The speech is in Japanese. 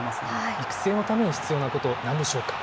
育成のために必要なこと、なんでしょうか。